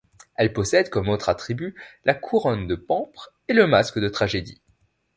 Elle possède comme autres attributs la couronne de pampres et le masque de tragédie.